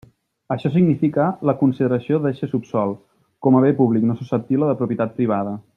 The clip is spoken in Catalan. Això significa la consideració d'eixe subsòl com a bé públic no susceptible de propietat privada.